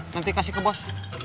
nanti kasih ke bos